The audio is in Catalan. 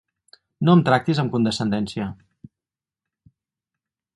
No em tractis amb condescendència.